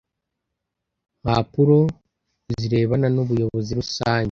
mpapuro zirebana n ubuyobozi rusange